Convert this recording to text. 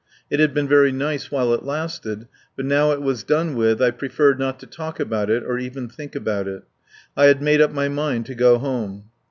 It had been very nice while it lasted, but now it was done with I preferred not to talk about it or even think about it. I had made up my mind to go home.